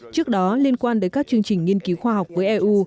trước đó liên quan đến các chương trình nghiên cứu khoa học với eu